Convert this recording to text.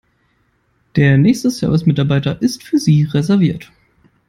Der nächste Service-Mitarbeiter ist für Sie reserviert.